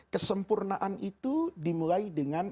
kesempurnaan itu dimulai dengan